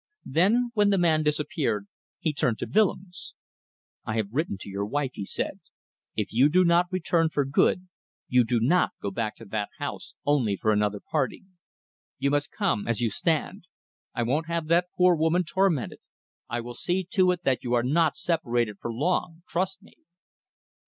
Then, when the man disappeared, he turned to Willems. "I have written to your wife," he said. "If you do not return for good, you do not go back to that house only for another parting. You must come as you stand. I won't have that poor woman tormented. I will see to it that you are not separated for long. Trust me!"